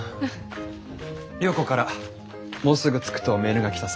良子からもうすぐ着くとメールが来たさ。